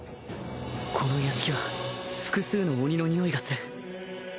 圓海硫杏澆複数の鬼のにおいがする